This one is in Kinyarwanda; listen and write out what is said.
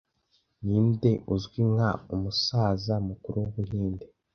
Ninde uzwi nka 'Umusaza Mukuru w'Ubuhinde'